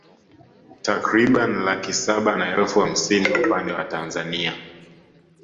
Takriban laki saba na elfu hamsini upande wa Tanzania